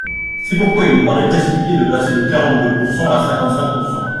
C’est pourquoi il nous paraît précipité de passer de quarante-deux pourcent à cinquante-cinq pourcent.